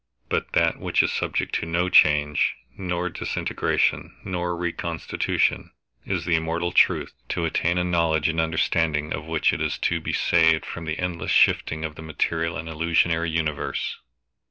But that which is subject to no change, nor disintegration, nor reconstruction, is the immortal truth, to attain to a knowledge and understanding of which is to be saved from the endless shifting of the material and illusory universe.